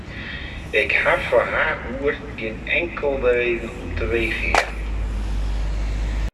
Ik ha foar har oer gjin inkelde reden om te wegerjen.